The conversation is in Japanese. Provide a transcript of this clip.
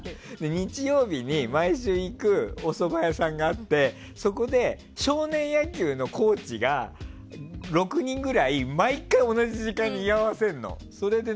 日曜日に毎週行くおそば屋さんがあってそこで少年野球のコーチが６人ぐらい毎回、同じ時間に居合わせるの。